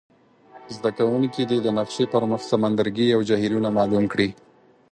زده کوونکي دې د نقشي پر مخ سمندرګي او جهیلونه معلوم کړي.